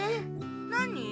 何？